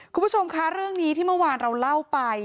คุณผู้ชมคะเรื่องนี้ที่เมื่อวานเราเล่าไป